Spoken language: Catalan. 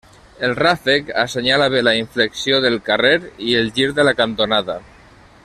El ràfec assenyala bé la inflexió del carrer i el gir de la cantonada.